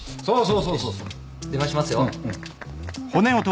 電話しますよ。